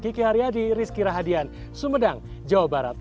kiki haryadi rizky rahadian sumedang jawa barat